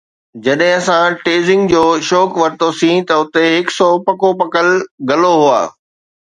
جڏهن اسان ٽيئزنگ جو شوق ورتوسين ته اتي هڪ سؤ پڪو پڪل گلو هئا